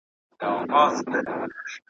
د رنګینۍ په بېلتانه کي مرمه .